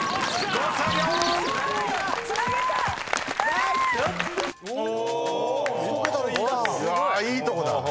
うわいいとこだ。